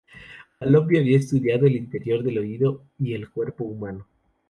Falopio había estudiado el interior del oído y el cuerpo humano.